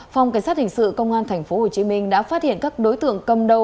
phòng cảnh sát hình sự công an tp hcm đã phát hiện các đối tượng cầm đầu